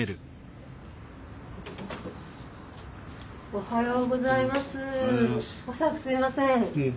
おはようございます。